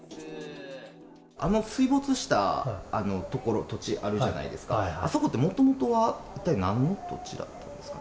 あの水没した所、土地あるじゃないですか、あそこって、もともとは一体なんの土地だったんですか？